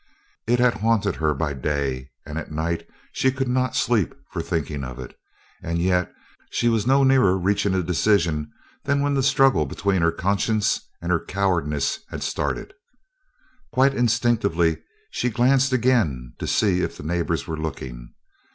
It had haunted her by day, and at night she could not sleep for thinking of it, and yet she was no nearer reaching a decision than when the struggle between her conscience and her cowardice had started. Quite instinctively she glanced again to see if the neighbors were looking.